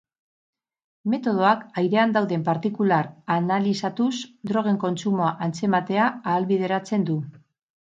Metodoak airean dauden partikulak analizatuz drogen kontsumoa antzematea ahalbideratzen du.